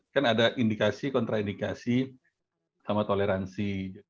kan ada indikasi kontraindikasi sama toleransi